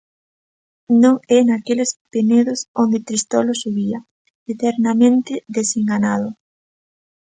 Non é naqueles penedos onde Tristolo asubía, eternamente desenganado.